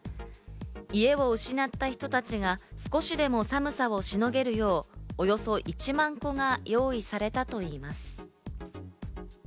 家を失った人たちが少しでも寒さをしのげるよう、およそ１万個が用意されたといいます。